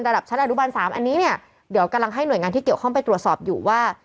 ระดับชั้นอนุบัน๓อันนี้เนี่ยเดี๋ยวกำลังให้หน่วยงานที่เกี่ยวข้องไปตรวจสอบอยู่ว่า